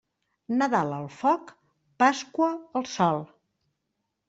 Nadal al foc, Pasqua al sol.